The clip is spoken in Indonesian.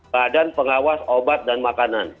badan pengawas obat dan makanan